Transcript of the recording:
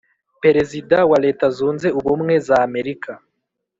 Perezida wa leta zunze ubumwe z’amerika.